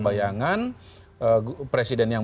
bayangan presiden yang